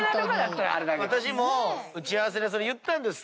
私も打ち合わせでそれ言ったんです